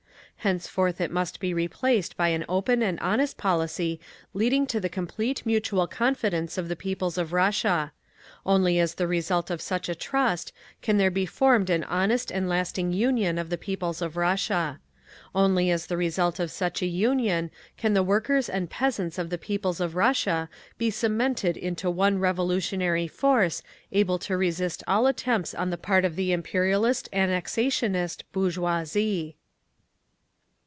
Henceforth it must be replaced by an open and honest policy leading to the complete mutual confidence of the peoples of Russia. Only as the result of such a trust can there be formed an honest and lasting union of the peoples of Russia. Only as the result of such a union can the workers and peasants of the peoples of Russia be cemented into one revolutionary force able to resist all attempts on the part of the imperialist annexationist bourgeoisie.